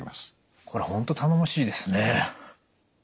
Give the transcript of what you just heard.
これは本当頼もしいですね。